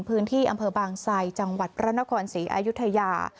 พื้นที่อำเภอบางไซจังหวัดพระนครศรีอายุทยา